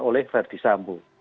oleh verdi sambo